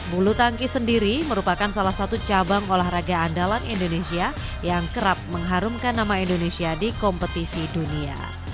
bulu tangkis sendiri merupakan salah satu cabang olahraga andalan indonesia yang kerap mengharumkan nama indonesia di kompetisi dunia